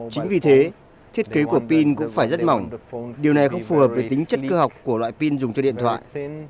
chính vì thế thiết kế của pin cũng phải rất mỏng điều này không phù hợp với tính chất cơ học của loại pin dùng cho điện thoại